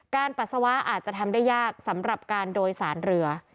ปัสสาวะอาจจะทำได้ยากสำหรับการโดยสารเรือ